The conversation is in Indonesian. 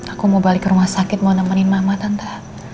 aku mau balik ke rumah sakit mau nemenin mamat anda